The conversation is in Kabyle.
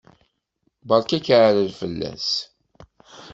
Berka akaɛrer fell-as!